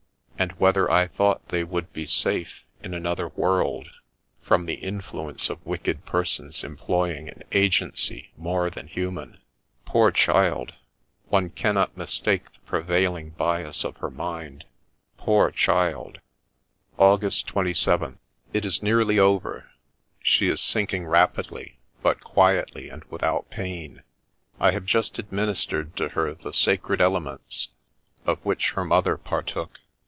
And whether I thought they would be safe, in another world, from the influence of wicked persons employing an agency more than human ?" Poor child ! One cannot mistake the prevailing bias of her mind. Poor child I '' August 27th. — It is nearly over ; she is sulking rapidly, but quietly and without pain. I have just administered to her the sacred elements, of which her mother partook.